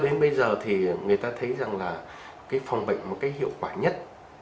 cho đến bây giờ thì người ta thấy rằng là cái phòng bệnh một cái hiệu quả nhất